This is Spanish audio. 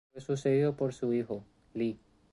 Fue sucedido por su hijo, Li.